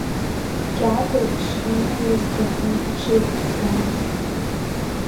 Кьагәа дшынаиаз дыҟан, иҽирҵысуамызт.